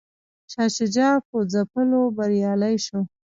شاه شجاع په ځپلو بریالی شو.